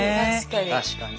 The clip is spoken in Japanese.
確かに。